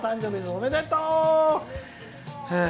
おめでとう。